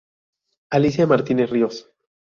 Alicia Martínez Ríos.